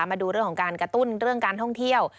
มาดูเรื่องของการกระตุ้นเรื่องการท่องเที่ยว